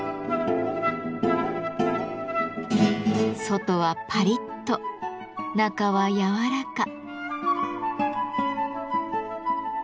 外はパリッと中はやわらか。